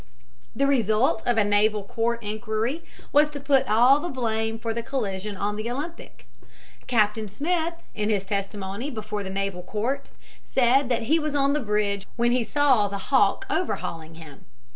The result of a naval court inquiry was to put all the blame for the collision on the Olympic. Captain Smith, in his testimony before the naval court, said that he was on the bridge when he saw the Hawke overhauling him.